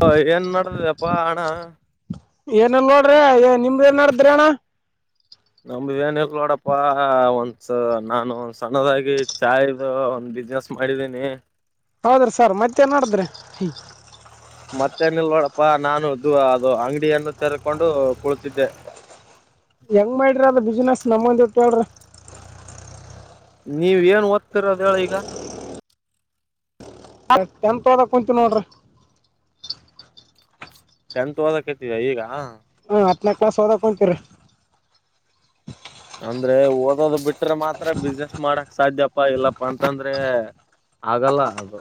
ಹ ಏನ್ ಮಾಡುದಪ್ಪಾ ಹಣ ಏನಲ್ ನೋಡ್ರಿ ಏ ನಿಮ್ದ ಏನ್ ನೆಡೆದದ್ರಿ ಅಣ್ಣ. ವಿಜಾನಿ ನೋಡಪ್ಪ ಒಂದ ನಾನು ಒಂದ ಸಣ್ಣದಾಗಿ ಚಾಯ್ ಒಂದ್ ಬಿಸ್ನೆಸ್ ಮಾಡ ಮಾಡಿದ್ದೇನಿ. ಹೌದ್ರೀ ಸರ್ ಮತ್ತೆ ನ ಮಾಡಿದ್ರಿ ಹ ಮತ್ತೇನಲ್ ನೋಡಪ್ಪಾ ನಾನು ಇದು ಅದು ಅಂಗಡಿಯನ್ನು ತೆರ್ಕೊಂಡು ಕುಳತಿದ್ದೆ. [inaudible] ಹೆಂಗ್ ಮಾಡ್ರಿ ಅದ ಬಿಸ್ನೆಸ್ ನಮ್ಮಂದೀಟ್ ಹೇಳ್ರಿ. ನೀವ ಏನ್ ಓದ್ತಿರೋದ ಹೇಳ ಈಗ? ಅ ಟೆಂತ್ ಒದಕ್ ಕುಂತಿನಿ ನೋಡ್ರಿ. ಟೆಂತ್ ಓದಕತಿದ ಈಗ. ಹ್ಮ ಹತ್ತನ ಕ್ಲಾಸ್ ಓದಕೊಂತೀರಿ. ಅಂದ್ರೆ ಓದೋದ ಬಿಟ್ರೆ ಮಾತ್ರ ಬಿಸ್ನೆಸ್ ಮಾಡಕ್ ಸಾಧ್ಯಪಾ ಇಲ್ಲಪ್ಪಾ ಅಂತಂದ್ರೆ ಆಗಲ್ಲ ಅದು.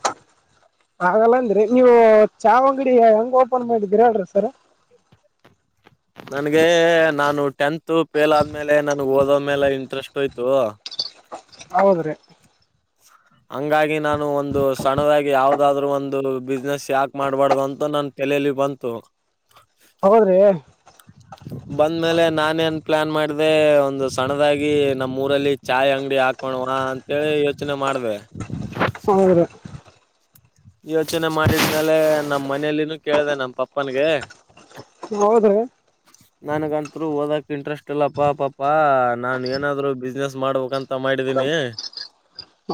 ಹಾಗಲ್ಲ ಅಂದ್ರಿ ನೀವು ಚಾವಂಗಡಿ ಹೆಂಗ್ ಓಪನ್ ಮಾಡಿದೀರ ಹೇಳ್ರ ಸರ. ನನ್ಗೆ ನಾನು ಟೆಂತ್ ಫೇಲ್ ಆದ್ಮೇಲೆ ನನ್ಗ್ ಓದೋಮೇಲೆ ಇಂಟ್ರೆಸ್ಟ್ ಹೋಯ್ತು. ಹೌದ್ರಿ ಹಂಗಾಗಿ ನಾನು ಒಂದು ಸಣ್ಣದಾಗಿ ಯಾವದಾದ್ರು ಒಂದು ಬಿಸ್ನೆಸ್ ಯಾಕೆ ಮಾಡ್ಬಾರ್ದು ಅಂತೂ ನ ತಲೆಲಿ ಬಂತು. ಹೌದ್ರಿ ಬಂದ ಮ್ಯಾಲೆ ನಾನ ಏನ್ ಪ್ಲಾನ್ ಮಾಡಿದೆ ಒಂದು ಸಣ್ಣದಾಗಿ ನಮ್ಮ್ ಊರಲ್ಲಿ ಚಾಯ್ ಅಂಗಡಿ ಹಾಕೋಣುವ ಅಂತಿ ಯೋಚನೆ ಮಾಡ್ದೆ. ಹೌದು. ಯೋಚನೆ ಮಾಡಿದ್ಮೆಲೆ ನಮ್ ಮನೆಯಲ್ಲಿನೂ ಕೇಳಿದೆ ನಮ ಪಪ್ಪನ್ಗೆ. ಹೌದ್ರಿ ನನಗಂತ್ರು ಓದಕ್ ಇಂಟ್ರೆಸ್ಟ್ ಇಲ್ಲ ಪ ಪಾಪಾ ನಾನ್ ಏನಾದ್ರು ಬಿಸ್ನೆಸ್ ಮಾಡಬೇಕಂತ. ತ ಮಾಡಿದ್ದೀನಿ.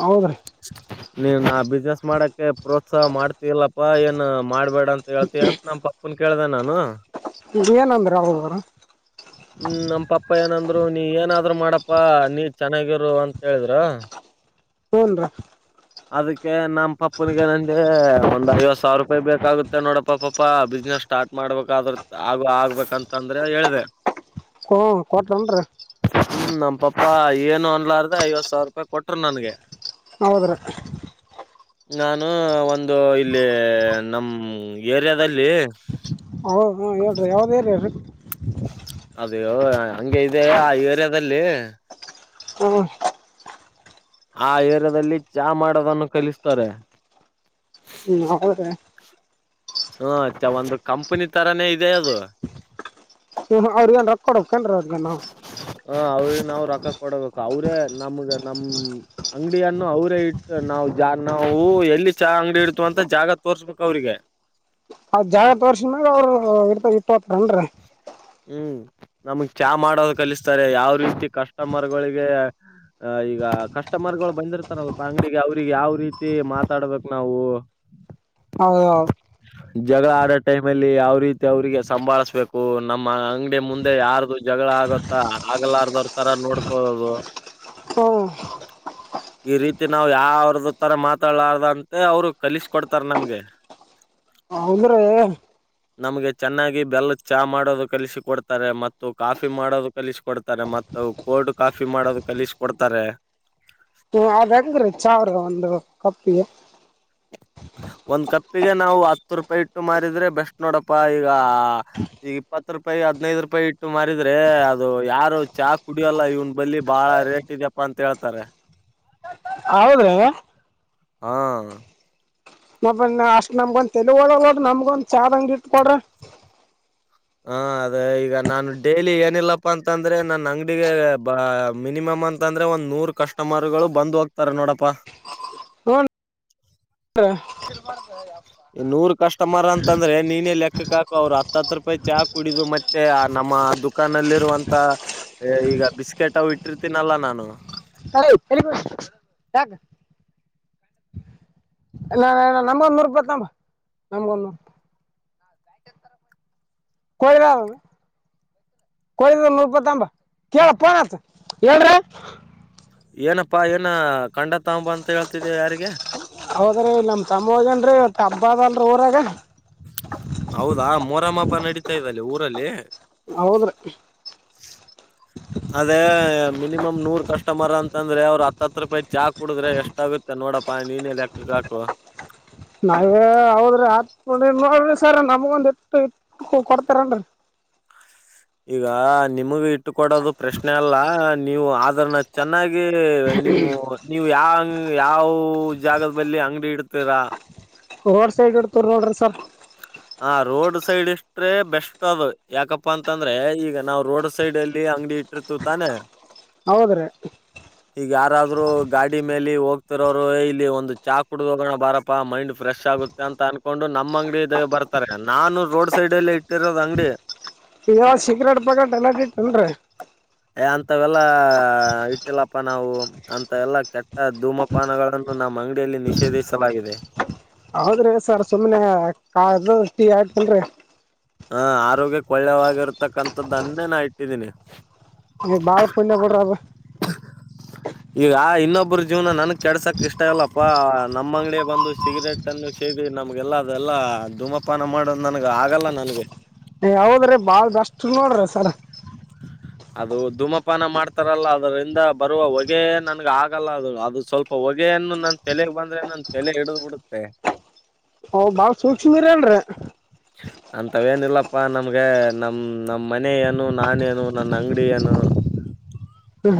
ಹೌದ್ರಿ ನೀನ್ ಆ ಬಿಸ್ನೆಸ್ ಮಾಡಕ್ಕೆ ಪ್ರೋತ್ಸಾಹ ಮಾಡ್ತಿಯಿಲ್ಲಪ್ಪಾ ಏನ್ ಮಾಡ್ಬೇಡ ಅಂತ ಹೇಳ್ತಿಯ ಅಂತನಪಾ. ಪನ್ ಕೇಳ್ದ ನಾನು. ಏನ್ ಅಂದರು ಅವ್ರು. ಹ್ಮ್ ನಮ್ ಪಪ್ಪಾ ಏನಂದ್ರು ನೀ ಏನಾದ್ರು ಮಾಡಪಾ ನೀ ಚೆನ್ನಾಗಿರು ಅಂತ ಹೇಳಿದ್ರ. ಏನ್ರಾ ಅದಕ್ಕೆ ನಮ್ಮ ಪಪ್ಪನಿಗೆ ನಂದ ಒಂದ್ ಐವತ್ತು ಸಾವಿರ ರೂಪಾಯಿ ಬೇಕಾಗುತ್ತೆ ನೋಡಪ್ಪ ಪಾಪಾ ಬಿಸ್ನೆಸ್. ಸ್ಟಾರ್ಟ್ ಮಾಡ್ಬೇಕ್ರ ಆಗ ಆಗ್ಬೇಕಂತಂದ್ರೆ ಹೇಳ್ದ ಹ ಕೊಟನ್ರಿ ಹ್ಮ ನಮ್ ಪಾಪ್ಪಾ ಏನು ಅನ್ಲಾರ್ದ ಐವತ್ತು ಸಾವಿರ ರೂಪಾಯಿ ಕೊಟ್ರ ನನ್ಗೆ ನವದರ ನಾನು ಒಂದು ಇಲ್ಲಿ ನಮ್ಮ ಏರಿಯಾದಲ್ಲಿ ಹೌದ ಹಾ ಹೇಳ್ರರಿ ಯಾವವುದ ಹೇಳ ಅದೇಹಂಗಗೆ ಇದೆ ಆ ಏರಿಯಾದಲ್ಲಿ ಹ್ಮ್ ಆ ಏರಿಯಾದಲ್ಲಿ ಚಾ ಮಾಡೋದನ್ನು ಕಲಿಸ್ತಾರೆ ಹ್ಮ್ ಹೌದ್ರೀ ಹ್ಮ ಚ ಒಂದು ಕಂಪನಿ ತರಾನೇ ಇದೆ ಅದು. ಹ ಅವ್ರಿಗೆ ಏನ್ರೊ ಕೊಡೇನ್ರ ಅವ್ರಗ ನಾವವು ನಾವು ರೊಕ್ಕ ಕೊಡಬೇಕ ಅವ್ರೇ ನಮ್ಗ ನಮ ಅಂಗಡಿಯನ್ನು ಅವರೇ ಇಟ್ಟು ನಾವು ಜ ನ ಹೂ ಎಲ್ಲಿ ಚಹ ಅಂಗಡಿ ಇಡ್ತು ಅಂತ ಜಾಗ ತೋರ್ಸ್ಬೇಕಕ್ ಅವ್ರಿಗೆ ಅಜಾಗತ್ ವರ್ಷನ್ಗ ಅವರು ಇರ್ತದ ಇಪ್ಪತ್ರನ್ ಹ್ಮ್ ನಮಗ್ ಚಾ ಮಾಡೋದು ಕಲಿಸ್ತಾರೆ ಯಾವ ರೀತಿ ಕಸ್ಟಮರ್ಗಳಿಗೆ ಆ ಈಗ ಕಸ್ಟಮರ್ಗಳು ಬಂದಿರ್ತಾರಲ್ಪ ಅಂಗಡಿಗೆ ಅವ್ರಿಗೆ ಯಾವ ರೀತಿ ಮಾತಾಡ್ಬೇಕ ನಾವು [inaudible] ಹೌದೌದು [unintelligible] ಜಗಳ ಆಡೋ ಟೈಮ್ ಅಲ್ಲಿ ಯಾವ ರೀತಿ ಅವ್ರಿಗೆ ಸಂಭಾಳಿಸ್ಬೇಕು ನಮ್ಮ ಅಂಗಡಿ ಮುಂದೆ ಯಾರ್ದು ಜಗಳ ಆಗತ್ತ ಆಗಲಾರ್ದವ್ರ ತರ ನೋಡ್ಕೋದು [inaudible] ಹ [unintelligible] ಈ ರೀತಿ ನಾವ್ ಯಾವ್ದ ತರ ಮಾತಾಡಾರ್ದ ಅಂತೆ ಅವ್ರು ಕಲಿಸಕ ಕೊಡ್ತಾರ ನಮ್ಗೆ [inaudible] [unintelligible] ಹೌದ್ರಿ ನಮ್ಗೆ ಚೆನ್ನಾಗಿ ಬೆಲ್ಲ ಚಾ ಮಾಡ ಕಲಿಸಿಕ ಕೊಡ್ತಾರೆ ಮತ್ತು ಕಾಫಿ ಮಾಡೋದು ಕಲಿಸಿಕ ಕೊಡ್ತಾರೆ ಮತ್ತು ಕೋಲ್ಡ್ ಕಾಫಿ ಮಾಡೋದು ಕಲಿಸಿಕಟ್ಟ ಕೊಡ್ತಾರೆ ಹ ಅದಂಗ್ರೀ ಚಾವ್ರ ಒಂದು ಕಪ್ಪಿಗೆ ಹ ಒಂದ್ ಕಪ್ಪಿಗೆ ನಾವು ಹತ್ತು ರೂಪಾಯಿ ಇಟ್ಟು ಮಾರಿದ್ರೆ ಬೆಸ್ಟ್ ನೋಡಪ್ಪಾ ಈಗ ಈಗ ಇಪ್ಪತ್ತು ರೂಪಾಯಿ ಹದ್ನೈದು ರೂಪಾಯಿ ಇಟ್ಟು ಮಾರಿದ್ರೆ ಅದು ಯಾರು ಚಾ ಕುಡಿಯೋಲ್ಲ ಇವ್ನ ಬಳಿ ಬಹಳ ರೇಟ್ ಇದ್ಯಪ್ಪಾ ಅಂತ ಹೇಳ್ತಾರೆ ಹೌದ್ರೆ ಹಾ ಮ ಅಷ್ಟ್ ನಮ್ಗೊಂದ ತೆಲುಗ ಒಳೋಡ್ರ ನಮ್ಗೊಂದ್ ಚಾರ ಅಂಗ ಇಟ್ ಕೊಡ್ರ ಹ ಅದ ಈಗ ನಾನು ಡೈಲಿ ಏನಿಲ್ಲಪ್ಪಾ ಅಂತಂದ್ರೆ ನನ್ ಅಂಗಡಿಗೆ ಬ ಮಿನಿಮಮ್ ಅಂತ ಅಂದ್ರೆ ಒಂದ್ ನೂರ್ ಕಸ್ಟಮರ್ ಗಳು ಬಂದ್ ಹೋಗ್ತಾರ ನೋಡಪಾ ಹನ್ [inaudible] ನೂರ್ ಕಸ್ಟಮರ್ ಅಂತಂದ್ರೆ ನೀನೇ ಲೆಕ್ಕಕ್ಕ ಹಾಕ ಅವರು ಹತ್ತ ಹತ್ ರೂಪಾಯಿ ಚಾ ಕುಡಿದು ಮತ್ತೆ ಆ ನಮ್ಮ ನಮ್ಮ ದುಕಾಾನಲ್ಲಿ ಇರುವಂತ ಈಗ ಬಿಸ್ಕೆಟ್ ಇಟ್ಟಿರ್ತೀನಲ್ಲ ನಾನು ಅ ಹೇಳ ಯಾಗ ಇಲ್ಲ ನಮ ಒ ನೂರುತ್ತ ನಮೂ ಕೊಡಗ ಕೊಯ್ದ ನಪ್ಪತ್ತಂಬ ಕೇಳ ಪನಾತ್ ಏ್ರ ಏನಪ್ಪಾ ಏನ ಕಂಡತ್ತ ಹಂಬ ಅಂತ ಹೇಳ್ತಿದ್ದ ಯಾರಿಗೆ ತನ್ ತಬ್ಬದ ಅಲ್ ಊರ ಆಗದ ಹೌದಾ ಮೊರಮ್ಮ ಹಬ್ಬ ನಡತಾ ಇದ್ದಲ್ಲಿ ಊರಲ್ಲಿ ಹೌದ್ರಿ ಅದೇ ಮಿನಿಮಮ್ ನೂರ್ ಕಸ್ಟಮರ್ ಅಂತದ್ರೆ ಅವ್ರ ಹತ್ತ ಹತ್ರಕ್ ವೈದ ಚಾ ಕುಡಿದ್ರೆ ಎಷ್ಟ ಆಗತ್ತೆ ನೋಡಪ್ಪಾ ನೀನೇ ಲೆಕ್ಕ ಹಾಕು. ನಾವೇ ಹೌದ್ರಿ ಆತದ ನೋಡ್ರಿ ಸರ್ ನಮಗ ಒಂದ ಈಟ್ಟ ಇಟ್ಟ ಕೊಡ್ತೀರೇನ್ರೀ. ಈಗ ನಿಮಗ ಇಟ್ಟ ಕೊಡೋದು ಪ್ರಶ್ನೆ ಅಲ್ಲ ನೀವು ಅದನ್ನ ಚೆನ್ನಾಗಿ ಈ ನಿಮ್ಮು ನೀವು ಯಾ ಯಾವ ಜಾಗದ ಬಲ್ಲಿ ಅಂಗಡಿ ಇಡ್ತೀರಾ. ರೋಡ್ ಸೈಡ್ ಇಡ್ತೀವಿ ನೋಡ್ರಿ ಸರ್. ಹಾ ರೋಡ್ ಸೈಡ್ ಇಷ್ಟ್ರೆ ಬೆಸ್ಟ್ ಅದ ಯಾಕಪ್ಪಾ ಅಂತಂದ್ರೆ ಈಗ ನಾವು ರೋಡ್ ಸೈಡ್ ಅಲ್ಲಿ ಅಂಗಡಿ ಇಟ್ಟಿರತಿವಿ ತಾನೆ. ಹಾ ಹೌದ್ರೀ ಯಾರಾದ್ರರು ಗಾಡಿ ಮೇಲೆ ಹೋಗ್ತಿರೋರು ಇಲ್ಲಿ ಒಂದು ಚಾ ಕುಡ್ದ್ ಹೋಗೋಣ ಬಾರಪ್ಪಾ ಮೈಂಡ್ ಫ್ರೆಶ್ ಆಗುತ್ತೆ ಮತ್ತೆ ಅಂತ ಅನ್ಕೊಂಡು ನಮ್ಮ ಅಂಗಡಿ ಇದಾಗ ಬರ್ತಾರೆ ನಾನು ರೋಡ್ ಸೈಡ್ಲ್ಇಟ್ಟಿರೋದ ಅಂಗಡಿ ಈಗ್ ಇವ್ ಸೀಗ್ರೆಟ್ ಪಗ್ರೆಟ್ ಎಲ್ಲ ಬಿಟ್ಟ ಏನ್ರಿ. ಏ ಅಂತವೆಲ್ಲಾ ಇಟ್ಟಿಲ್ಲಪ್ಪ ನಾವು ಅಂತವೆಲ್ಲಾ ಕೆಟ್ಟ ಧೂಮಪಾನಗಳನ್ನು ನಾ ನಮ್ ಅಂಗಡಿಯಲ್ಲಿ ನಿಷೇಧಿಸಲಾಗಿದೆ. ಹೌದ್ರಿ ಸರ್ ಸುಮ್ನೆ ಕ ಅದು ಟೀ ಐತಿಲ್ರೀ. ಹ ಆರೋಗ್ಯಕ ಒಳ್ಳೆವಾಗಿರತಕ್ಕಂಥದ್ದನ್ನೇ ನಾ ಇಟ್ಟಿದ್ದೀನಿ. ಏ ಬಾಳ ಪುಣ್ಯ ಬಿಡ್ರಿ ಅದು. ಈಗಾ ಇನ್ನೊಬ್ಬ್ರ ಜೀವನ ನನ್ ಕೆಡಸಕ್ ಇಷ್ಟ ಇಲ್ಲಪ್ಪಾ ನಮ್ಮ್ ಅಂಗ್ಡ ಬಂದು ಸಿಗರೇಟ್ ಅನ್ನು ಸೇದ್ ಇದೀ ನಮ್ಗೆಲ್ಲ ಅದೆಲ್ಲಾ ಧೂಮಪಾನ ಮಾಡದ ನನಗ್ ಆಗಲ್ಲ ನನ್ಗೆ. ಏ ಹೌದ್ರೀ ಬಾಳ್ ಬೇಷ್ಟ ನೋಡ್ರಿ ಸರ್. ಅದು ಧೂಮಪಾನ ಮಾಡ್ತಾರಲ್ಲ ಅದರಿಂದ ಬರುವ ಹೊಗೆ ನನ್ಗ ಆಗಲ್ಲ ಅದು ಅದು ಸ್ವಲ್ಪ ಹೊಗೆ ಗೆ ಅನ್ನು ನನ್ ತಲೆಗ್ ಬಂದ್ರೆ ನನ್ ತಲೆ ಹಿಡಿದ್ ಬಿಡುತ್ತೆ. ಓ ಬಾಳ ಸೂಕ್ಷ್ಮಿ ರಿ ಅಂದ್ರ. ಅಂತವೇನಿಲ್ಲಪ್ಪಾ ನಮ್ಗೆ ನಮ ನಮ್ ಮನೆ ಏನು ನಾನೇನು ನನ್ನ ಅಂಗಡಿ ಏನ. [inaudible]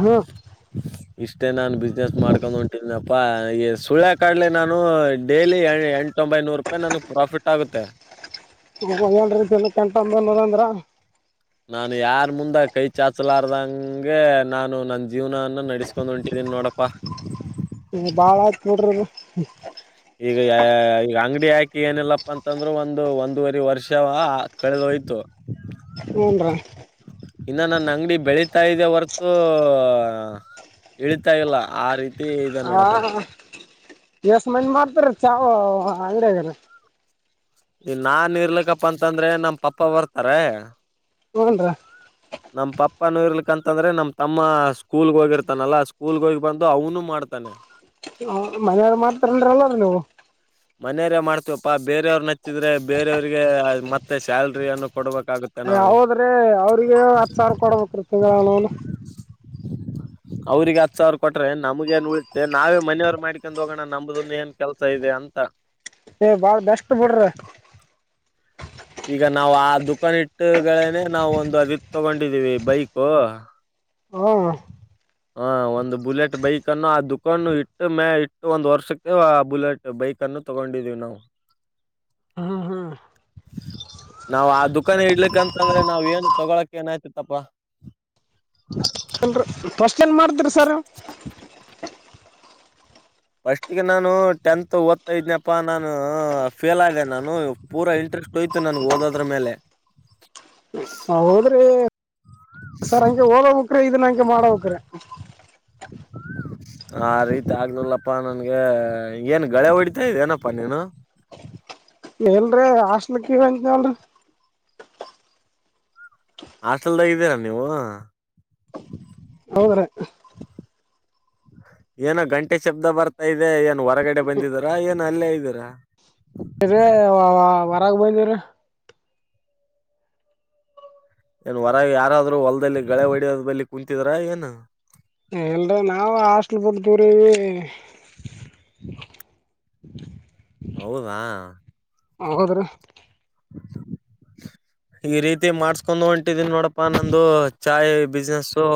ಹ ಹ ಇಷ್ಟೇ ನಾನು ಬಿಸ್ನೆಸ್ ಮಾಡ್ಕೊಂಡ್ ಹೊಂಟಿನಪ್ಪಾ ಈ ಸುಳೆ ಕಾಡ್ಲೆ ನಾನು ಡೈಲಿ ಎ ತೊಂಬೈನೂರು ರೂಪಾಯಿ ನನ್ಗ್ ಪ್ರಾಫಿಟ್ ಆಗುತ್ತೆ. ಹಂಗದ್ರೆ ದಿನಕ್ ಎಂಟು ನೂರ್ ನೂರ್ ಅಂದ್ರ. ನಾನು ಯಾರ್ ಮುಂದ ಕೈ ಚಾಚಲಾರ್ದಂಗೆ ನಾನು ನನ್ ಜೀವನ ಅನ್ನು ನಡಸ್ಕೊಂಡ್ ಹೊಂಟಿದ್ದೀನಿ ನೋಡಪ್ಪ ಏ ಬಾಳ ಆಯ್ತ್ ನೋಡ್ರಿ ಇದು. ಈಗ ಈಗ ಅಂಗಡಿ ಹಾಕಿ ಏನಿಲ್ಲಪ್ಪಾ ಅಂತಂದ್ರರು ಒಂದು ಒಂದೂವರಿ ವರ್ಷ ವ ಕಳೆದೋಯ್ತು. ಹ್ಞೂ ರೀ ಇನ್ನ ನನ್ನ ಅಂಗಡಿ ಬೆಳೀತಾ ಇದೆ ಹೊರತು ಇಳಿತಾ ಇಲ್ಲ ಆ ರೀತ ತಿ ಇದೆ ನೋಡಪ್ಪಾ. ಎಸ್ ಮಂದಿ ಮಾಡ್ತಾರಿ ಚಾವೋ ಅಂಗಡಿಯಾಗ್ರಿ. ಈ ನಾನ್ ಇರ್ಲಕ್ಕಪ್ಪಾ ಅಂತಂದ್ರೆ ನಮ್ ಪಪ್ಪ ಬರ್ತಾರೆ ಹ್ಮ್ ರಾ ಅಪ್ಪನೂ ಇರ್ಲಿಕ್ಕ ಅಂತಂದ್ರೆ ನಮ ತಮ್ಮ ಸ್ಕೂಲ್ ಹೋಗಿರ್ತಾನಲ್ಲಾ ಸ್ಕೂಲ್ ಹೋಗಿ ಬಂದು ಅವನು ಮಾಡ್ತಾನೆ. ಹ ಮನೆರ್ ಮಾಡ್ತಾರ ಅಂದ್ರೆಲ್ಲ ನೀವು. ಮನೆರೆ ಮಾಡ್ತಿವಪ್ಪ ಬೇರೆಯವ್ರನ ಹಚ್ಚಿದ್ರೆ ಬೇರೆಯವ್ರರಿಗೆ ಮತ್ತೆ ಸ್ಯಾಲ್ರಿ ಅನ್ನು ಕೊಡಬೇಕ ಏ ಹೌದ್ರಿ ಅವ್ರಿಗೆ ಹತ್ ಸಾವಿರ ಕೊಡ್ಬೇಕ್ರಿ ತಿಂಗಳ [unintelligible] [inaudible] ಅವ್ರಿಗೆ ಹತ್ ಸಾವಿರ ಕೊಟ್ರೆ ನಮಗ ಏನ್ ಉಳಿತೆ ನಾವೇ ಮನೆರ್ ಮಾಡ್ಕೊಂಡ್ ಹೋಗೋಣ ನಮ್ದುನು ಏನ್ ಕೆಲಸ ಇದೆ ಅಂತ. ಹ ಏ ಬಾಳ ಬೆಷ್ಟ ಬಿಡ್ರಿ. ಈಗ ನಾವು ಆ ದುಖಾನ್ ಇಟ್ಟುಗಳೇನೆ ನಾವು ಒಂದು ಅದು ಈದ್ ತಗೊಂಡಿದೀವಿ ಬೈಕು. ಹ್ಞೂ [inaudible] ಹ ಒಂದು ಬುಲೆಟ್ ಬೈಕ್ ಅನ್ನು ಆ ದುಕಾನ್ ಇಟ್ಟ ಮೇ ಇಟ್ಟು ಒಂದ್ ವರ್ಷಕ್ಕ ಆ ಬುಲೆಟ್. ಬೈಕನ್ನು ತಗೊಂಡಿದ್ದೀವಿ ನಾವು. ಹಾಂ ಹಾಂ ನಾವ್ ಆ ದುಖಾನಿ ಇಡ್ಲಿಕ್ಕಂತಂದ್ರೆ ನಾವ್ ಏನು ತಗೊಳಕ್ ಏನಾಯ್ತಿತ್ತಪ್ಪ. ಹ [inaudible] ಪಷ್ಟ್ ಏನ್ ಮಾಡ್ತಿರ್ರಿ ಸರು? ಫಸ್ಟ್ ಗೆ ನಾನು ಟೆಂತ್ ಓದ್ತಾ ಇದನಪ್ಪಾ ನಾನು ಫೇಲ್ ಆದೆ ನಾನು ಪೂರ ಇಂಟ್ ಷ್ಟೋಯ್ತು ನನುಗ್ ಓದೋದ್ರು ಮೇಲೆ. ಆ ಹೌದ್ರಿ ಸರ್ ಹಂಗೆ ಓದಬೇಕ್ರಿ ಇದುನ್ ಹಂಗೆ ಮಾಡಬೇಕ್ರಿ. [inaudible] ಆ ರೀತಿ ಆಗ್ಲಿಲ್ಲಪ್ಪ ನನ್ಗೆ ಏನ್ ಗಳ್ಯ ಹೊಡಿತಾ ಇದೇ ಏನಪ್ಪಾ ನೀನು. [inaudible] ಎಲ್ರಿ ಹಾಸ್ಟ್ಲಿಕ್ ಇಲ್ಲಾಂತಲ್ರಿ ಹಾಸ್ಟಾಲ್ದಾಗ ಇದ್ದೀರಾ ನೀವು? ಹೌದ್ರ. ಏನೋ ಗಂಟೆ ಶಬ್ದ ಬರ್ತಾ ಇದೆ. ಏನ್ ಹೊರಗಡೆ ಬಂದಿದಿರಾ ಏನ್ ಅಲ್ಲೇ ಇದ್ದೀರಾ? ಇದ್ರೆ ವೊ ವೊ ಹೊರಾಗ ಬಂದಿವ್ರಿ. ಏನ್ ಹೊರಗ್ ಯಾರಾದ್ರೂ ಹೊಲ್ದಲ್ಲಿ ಗಳೆ ಹೊಡಿಯೋದ ಬಲ್ಲಿ ಕುಂತಿದ್ರ ಏನು? ಇಲ್ರಿ ನಾವು ಹಾಸ್ಟ್ಲುಗ್ ಹೋಗ್ತಿವ್ರಿ ಹೌದಾ ಹೌದ್ರಿ. ಈ ರೀತಿ ಮಾಡಸ್ಕೊಂಡು ಹೊಂಟಿದೀನಿ ನೋಡಪ್ಪಾ ನಂದು ಚಾಯ್ ಬಿಜ್ನೆಸ್ಸು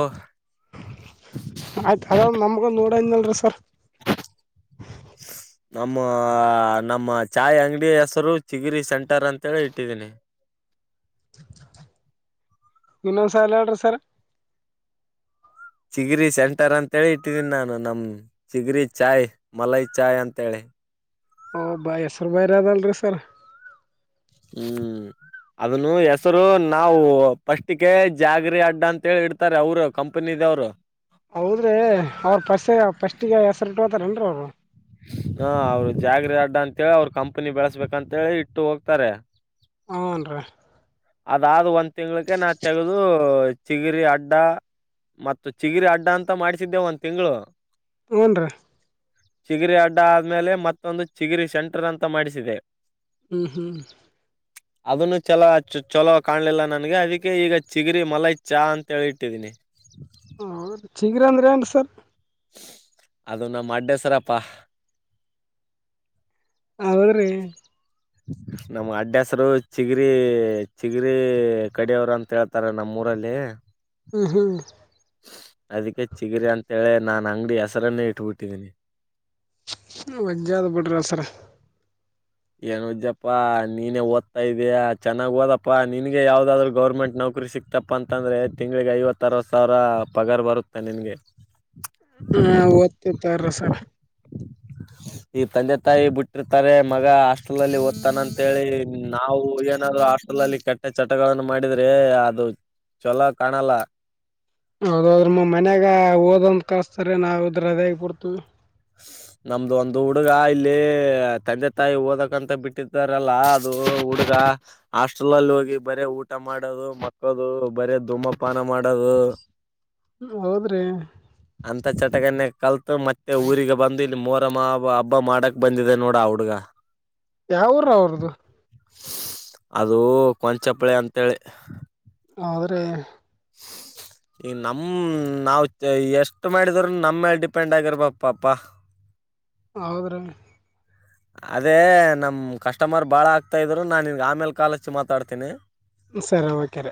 ಆಯ್ತ್ ಅದ ನಮ್ಗು ನೋಡಂದ್ನಲ್ರಿ ಸರ್. [inaudible] ನಮ್ಮ ನಮ್ಮ ಚಾಯ್ ಅಂಗಡಿ ಹೆಸರು ಚಿಗಿರಿ ಸೆಂಟರ್ ಅಂತೇಳಿ ಇಟ್ಟಿದೀನಿ. ಇನ್ನೊಂದ್ಸಲ ಹೇಳ್ರಿ ಸರ ಚಿಗರಿ ಸೆಂಟರ್ ಅಂತೇಳಿ ಇಟ್ಟಿದೀನ್ ನಾನು. ನಮ್ ಚಿಗರಿ ಚಾಯ್ ಮಲೈ ಚಾಯ್ ಅಂತೇಳಿ. ಹೂಂ ಬಾಯ್ ಹೆಸ್ರು ಬೇರ ಅದಲ್ರಿ ಸರ ಹ್ಮ್ ಅದುನ್ನು ಹೆಸರು ನಾವು ಫಸ್ಟ್ ಗೆ ಜಾಗರಿ ಅಡ್ಡ ಅಂತೇಳಿ ಇಡ್ತಾರೆ ಅವರು ಕಂಪನಿ [unintelligible] ಅವರು ಹೌದ್ರಿ ಅವ್ರ್ ಫಸ್ ಫಸ್ಟ್ ಗೆ ಹೆಸ್ರಿಟ್ ಹೋದ್ರಲ್ರಿ ಅವ್ರು ಹಾಂ ಅವ್ರ್ ಜಾಗ್ರಿ ಅಡ್ಡ ಅಂತೇಳಿ ಅವ್ರ್ ಕಂಪನಿ ಬೆಳೆಸ್ಬೇಕಂತೇಳಿ ಇಟ್ಟು ಹೋಗ್ತಾರೆ. ಹೂನ್ರಿ ಅದಾದ ಒಂದ್ ತಿಂಗಳಿಗೆ ನಾ ತೆಗೆದು ಚಿಗರಿ ಅಡ್ಡ ಮತ್ತ ಚಿಗಿರಿ ಅಡ್ಡ ಅಂತ ಮಾಡ್ಸಿದ್ದೆ ಒಂದ್ ತಿಂಗಳು ಹೂನ್ರಿ ಚಿಗಿರಿ ಅಡ್ಡ ಆದ್ಮೇಲೆ ಮತ್ತೊಂದು ಚಿಗಿರಿ ಸೆಂಟರ್ ಅಂತ ಮಾಡಿಸಿದೆ. ಹ್ಮ್ ಹ್ಮ್ ಅದುನ್ನು ಚಲೋ ಆ ಚ ಚಲೋ ಕಾಣ್ಲಿಲ್ಲ ನನ್ಗೆ ಅದಕ್ಕೆ ಈಗ ಚಿಗರಿ ಮಲೈ ಚಾ ಅಂತ ಹೇಳಿ ಇಟ್ಟಿದೀನಿ. ಹ್ಮ್ ಹೌದ್ರಿ ಚಿಗ್ರಿ ಅಂದ್ರ ಏನು ಸರ್? ಅದು ನಮ್ ಅಡ್ಡೆಸರಪ್ಪಾ. ಹೌದ್ರಿ. ನಮ್ ಅಡ್ಡೆಸ್ರು ಚಿಗರಿ, ಚಿಗರಿ ಕಡೆಯವರು ಅಂತ ಹೇಳ್ತಾರೆ ನಮ್ಮೂರ್ ರಲ್ಲಿ ಹ್ಮ್ ಹ್ಮ್ ಅದಿಕ್ಕೆ ಚಿಗರಿ ಅಂತೇಳಿ ನನ್ ಅಂಗಡಿ ಹೆಸರನ್ನೇ ಇಟ್ಬಿಟ್ಟಿದೀನಿ. ಮಜ್ಜಾದ ಬಿಡ್ರಿ ಸರ. ಏನು ಉಜ್ಜಪ್ಪಾ ನೀನೇ ಓದ್ತಾ ಇದೀಯ ಚೆನ್ನಾಗ್ ಓದಪ್ಪಾ, ನಿನ್ಗೆ ಯಾವ್ದಾದ್ರು ಗೌರ್ಮೆಂಟ್ ನೌ ಕರಿ ಸಿಕ್ತಪ್ಪ ಅಂತಂದ್ರೆ ತಿಂಗಗಳಿಗೆ ಐವತ್ತ ಅರವತ್ತು ಸಾವಿರ ಪಗಾರ್ ಬರುತ್ತೆ ನನ್ಗೆ ಸರ ಸರ ಈ ತಂದೆ ತಾಯಿ ಬಿಟ್ಟಿರ್ತಾರೆ ಮಗ ಹಾಸ್ಟೆಲ್ ಅಲ್ಲಿ ಓದ್ತಾನ ಅಂತೇಳಿ ನಾವು ಏನ ಹಾಸ್ಟೆಲ್ಲ್ಲಿ ಕೆಟ್ಟ ಚಟಗಳನ್ನು ಮಾಡಿದ್ರೆ ಅದು ಚೊಲೋ ಕಾಣಲ್ಲ ಹೌದದ್ರ ಮ ಮನ್ಯಾಗ ಓದಂತ ಕಳಸ್ತಾರೆ ನಾವವು ಇದ್ರ ಅದೇಗ್ ಬಿಡ್ತವಿ ಹ ನಮ್ದು ಒಂದು ಹುಡುಗ ಇಲ್ಲಿ ತಂದೆ ತಾಯಿ ಓದಕಂತ ಬಿಟ್ಟಿದ್ದಾರಲ್ಲಾ ಅದು ಹುಡುಗ ಆ ಹಾಸ್ಟಲಲ್ ಹೋಗಿ ಬರೆ ಊಟ ಮಾಡೋದು, ಮಕ್ಕದು, ಬರೇ ಧೂಮಪಾನ ಮಾಡ್ ಹೌದ್ರಿ ಅಂತ ಚಟಗನ್ನ ಕಲ್ತು ಮ ಊರಿಗೆ ಬಂದು ಇಲ್ಲಿ ಮೋರಮ್ಮ ಹಬ್ಬ ಮಾಡಕ್ ಬಂದಿದೆ ನೋಡ ಹಡ್ಗ ಯಾವರ ಅವ್ರದು ಅದು ಕೊಂಚಪ್ಳೆ ಅಂತೇಳಿ ಆದರೆ ಹ ಈಗ ನಮ ನಾವ್ ಎಷ್ಟ್ ಮಾಡಿದ್ರರು ನಮ್ಮೇಲೆ ಡಿಪೆಂಡ್ ಆಗಿರ್ಬಪಾಪಾ ಹೌದ್ರೀ ಅದೇ ನಮ್ಮ ಕಸ್ಟಮರ್ ಭಾಳ ಆಗ್ತಾ ಇದ್ರು ನಾನು ನಿನಗೆ ಆಮೇಲೆ ಕಾಲಚ್ಚು ಮಾತಾಡ್ತೀನಿ ಸರಿ ಓಕೆ ರ